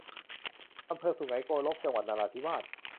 อำเภอสุไหงโกลก จังหวัดนราธิวาส